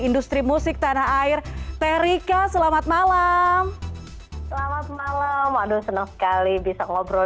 industri musik tanah air terika selamat malam selamat malam waduh senang sekali bisa ngobrol